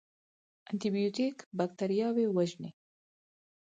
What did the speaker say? انټي بیوټیک بکتریاوې وژني